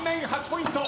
８ポイント。